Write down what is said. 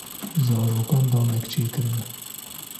Zarokan damek çêkirine.